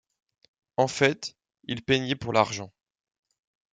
En fait, il peignait pour l’argent.